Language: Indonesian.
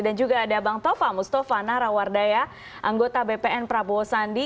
dan juga ada bang tova mustofana rawardaya anggota bpn prabowo sandi